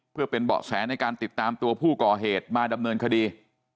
เพื่อเป็นเบาะแสในการติดตามตัวผู้ก่อเหตุมาดำเนินคดี